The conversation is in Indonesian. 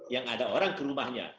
yang ada orang ke rumahnya